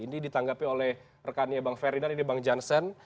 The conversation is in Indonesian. ini ditanggapi oleh rekannya bang ferdinand ini bang jansen